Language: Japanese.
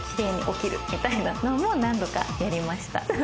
みたいなのも何度かやりました。